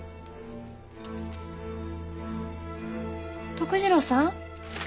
徳次郎さん？